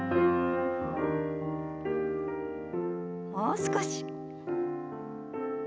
もう少し。